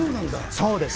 そうです。